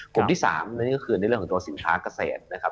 กลุ่มที่๓นั่นก็คือในเรื่องของตัวสินค้าเกษตรนะครับ